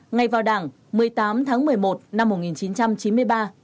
ngay vào đảng một mươi tám tháng một mươi một năm một nghìn chín trăm chín mươi ba